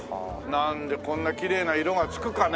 なんでこんなきれいな色がつくかね？